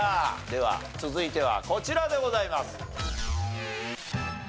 では続いてはこちらでございます。